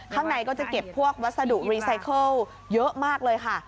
ข้างในก็จะเก็บพวกวัสดุรีไซเคิลเยอะมากเลยค่ะ